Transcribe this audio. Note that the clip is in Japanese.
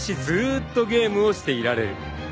ずーっとゲームをしていられる］